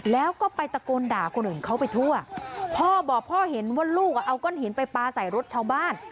แล้วก็ไปตะโกนด่าคนอื่นเขาไปทั่วพ่อบอกพ่อเห็นว่าลูกอ่ะเอาก้อนหินไปปลาใส่รถชาวบ้าน